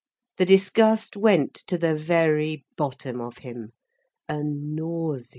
The disgust went to the very bottom of him, a nausea.